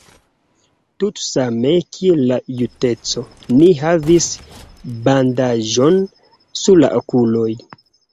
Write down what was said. Tutsame kiel la Justeco, ni havis bandaĝon sur la okuloj.